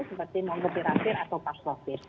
seperti mombetirafir atau pasprofit